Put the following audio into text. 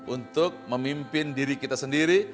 untuk memimpin diri kita sendiri